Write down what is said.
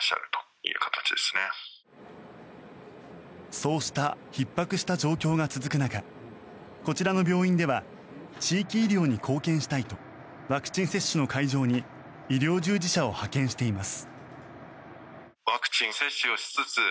そうしたひっ迫した状況が続く中こちらの病院では地域医療に貢献したいとワクチン接種の会場に医療従事者を派遣しています。